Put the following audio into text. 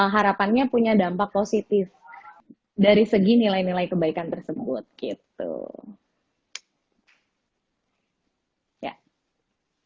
harapannya punya dampak positif dari segi nilai nilai kebaikan tersebut gitu